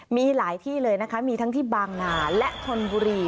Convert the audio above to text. มีหลายที่เลยนะคะมีทั้งที่บางนาและธนบุรี